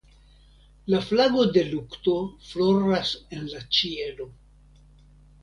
La flago de lukto floras en la ĉielo.